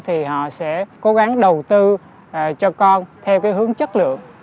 thì họ sẽ cố gắng đầu tư cho con theo cái hướng chất lượng